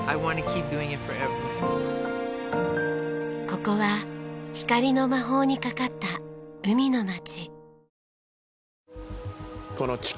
ここは光の魔法にかかった海の街。